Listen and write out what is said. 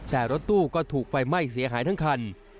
แต่รถตู้ก็ถูกไฟไหม้เสียหายทั้งคัน